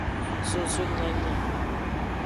Zozo nyanya.